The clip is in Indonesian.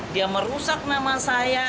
dia merusak nama saya